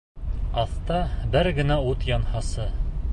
Аҫта бер генә ут янһасы!